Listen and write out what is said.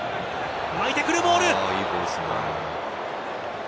巻いて来るボール。